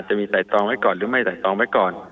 จะมีไต่ตองไว้ก่อนหรือไม่ไต่ตองไว้ก่อน